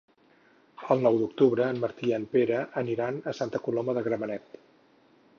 El nou d'octubre en Martí i en Pere aniran a Santa Coloma de Gramenet.